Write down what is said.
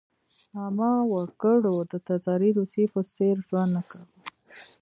عامه وګړو د تزاري روسیې په څېر ژوند نه کاوه.